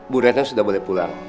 bu retno sudah boleh pulang